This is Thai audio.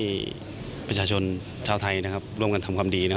ให้ประชาชนชาวไทยร่วมกันทำความดี